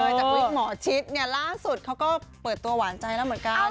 จากวิกหมอชิดเนี่ยล่าสุดเขาก็เปิดตัวหวานใจแล้วเหมือนกัน